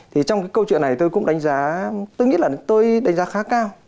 thì trong cái câu chuyện này tôi cũng đánh giá tôi nghĩ là tôi đánh giá khá cao